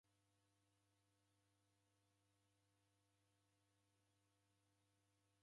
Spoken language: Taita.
Aw'o w'akulima w'ekunda kuzoghora kahawa iekeri.